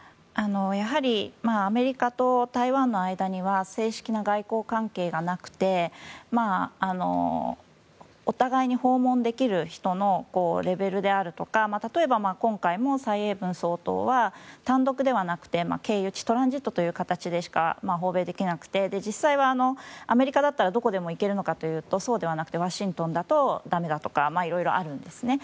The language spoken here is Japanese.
やはりアメリカと台湾の間には正式な外交関係がなくてお互いに訪問できる人のレベルであるとか例えば、今回も蔡英文総統は単独ではなくて経由地トランジットという形でしか訪米できなくて実際は、アメリカだったらどこでも行けるのかというとそうではなくてワシントンだと駄目だとか色々あるんですね。